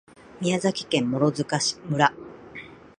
宮崎県諸塚村